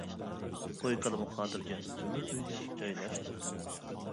قوي كالىمۇ خاتىرجەم، تۆمۈر ئۆيگە جايلاشتى.